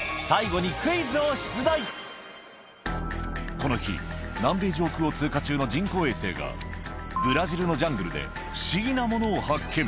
この日南米上空を通過中の人工衛星がブラジルのジャングルで不思議なものを発見